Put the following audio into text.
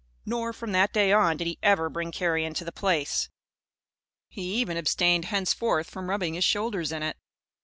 Nor, from that day on, did he ever bring carrion to the Place. He even abstained henceforth from rubbing his shoulders in it.